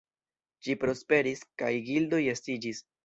Ĝi prosperis, kaj gildoj estiĝis.